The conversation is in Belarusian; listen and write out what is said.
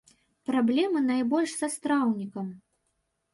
Праблемы найбольш са страўнікам.